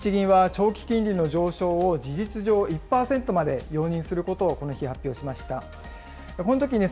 日銀は長期金利の上昇を事実上、１％まで容認することをこの日、発表しました。